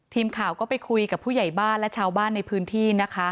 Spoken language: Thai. ทีมข่าวก็ไปคุยกับผู้ใหญ่บ้านและชาวบ้านในพื้นที่นะคะ